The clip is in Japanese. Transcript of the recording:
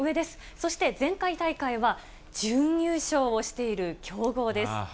そして前回大会は準優勝をしている強豪です。